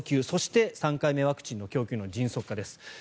そして３回目ワクチンの供給の迅速化です。